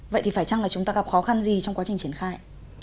vậy thì phải chăng là chúng ta gặp khó khăn gì trong quá trình triển khai